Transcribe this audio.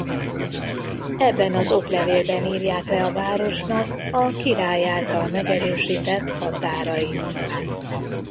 Ebben az oklevélben írják le a városnak a király által megerősített határait.